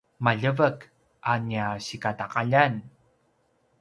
maljeveq a nia sikataqaljan